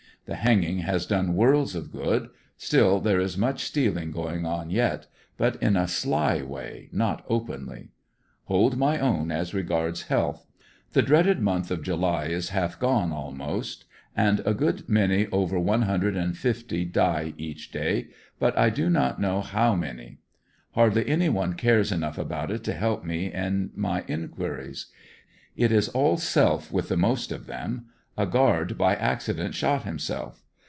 The hanging has done w^orlds of good, still there is much stealing going on yet, but in a sly way, not openly. Hold my own as regards health. The dreaded month of July is half gone, almost, and a cood many over one hundred and fifty die each day, but I do not know how many Hardly any one cares enough about it to help me any in my inquiries. It is all self w th the most of them. A guard by accident shot himself.